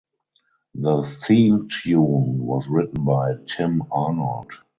The theme tune was written by Tim Arnold.